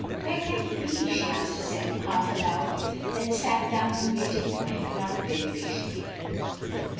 "Where can he be?" she asked herself half aloud, then sat down and waited for him not very patiently.